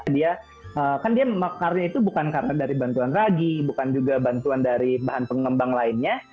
dia kan dia mekarnya itu bukan karena dari bantuan ragi bukan juga bantuan dari bahan pengembang lainnya